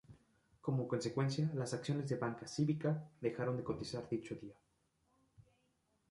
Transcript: Como consecuencia, las acciones de Banca Cívica dejaron de cotizar dicho día.